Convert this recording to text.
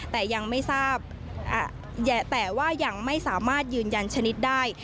แต่ว่ายังไม่สามารถยืนยันชนิดได้